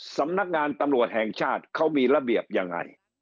สำนักงานตำรวจแห่งชาติเขามีระเบียบยังไง